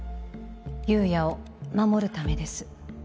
夕也を守るためです